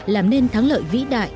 làm nên thắng lợi vĩ đại